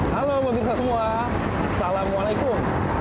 halo pemirsa semua assalamualaikum